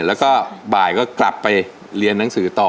แล้วก็บ่ายก็กลับไปเรียนหนังสือต่อ